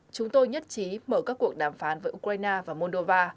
chúng tôi nhất trí mở các cuộc đàm phán với ukraine và moldova